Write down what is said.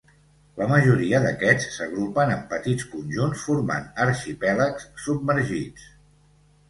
La majoria d'aquests s'agrupen en petits conjunts, formant arxipèlags submergits.